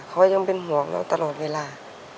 เขายังเป็นห่วงเราตลอดเวลา